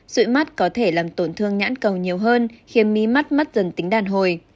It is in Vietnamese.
rụi mắt có thể làm tổn thương nhãn cầu nhiều hơn khiêm mi mắt mắt dần tính đàn hồi